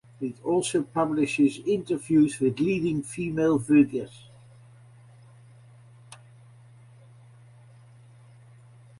It also publishes interviews with leading female figures.